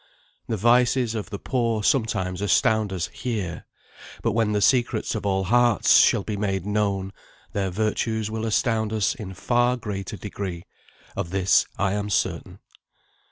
The vices of the poor sometimes astound us here; but when the secrets of all hearts shall be made known, their virtues will astound us in far greater degree. Of this I am certain.